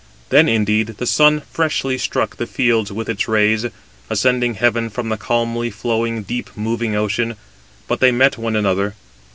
Then, indeed, the sun freshly struck the fields [with its rays], ascending heaven from the calmly flowing, deep moving ocean. But they met one another.